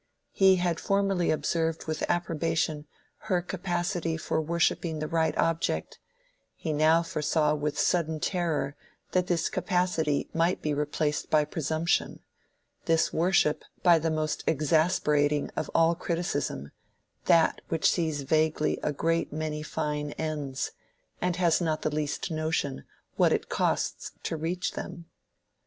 He had formerly observed with approbation her capacity for worshipping the right object; he now foresaw with sudden terror that this capacity might be replaced by presumption, this worship by the most exasperating of all criticism,—that which sees vaguely a great many fine ends, and has not the least notion what it costs to reach them.